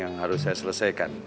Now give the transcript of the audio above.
yang harus saya selesaikan